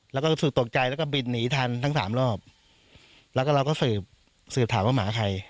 แล้วก็รู้สึกตกใจแล้วก็บินหนีทันทั้งสามรอบแล้วก็เราก็สืบสืบถามว่าหมาใคร